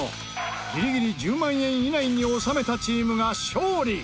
ギリギリ１０万円以内に収めたチームが勝利。